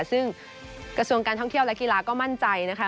ซึ่งกระทรวงการท่องเที่ยวและกีฬาก็มั่นใจนะคะ